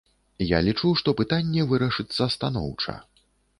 Я лічу, што пытанне вырашыцца станоўча.